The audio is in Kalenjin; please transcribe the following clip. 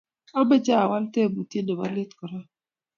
Amache awal teputyet nebo let korok